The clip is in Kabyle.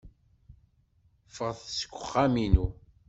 Ffɣet seg uxxam-inu.